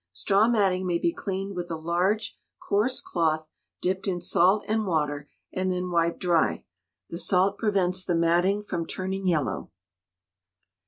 Straw matting may be cleaned with a large coarse cloth dipped in salt and water, and then wiped dry. The salt prevents the matting from turning yellow.